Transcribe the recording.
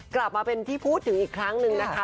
กลับมาเป็นที่พูดถึงอีกครั้งนึงนะคะ